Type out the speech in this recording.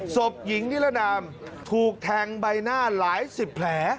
ศพหญิงนิรนามถูกแทงใบหน้าหลายสิบแผล